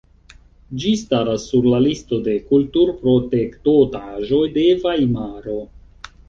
Ĝi staras sur la listo de kulturprotektotaĵoj de Vajmaro.